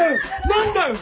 何だよ！？